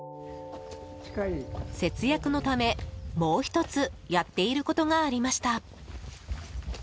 節約のため、もう１つやっていることがありました。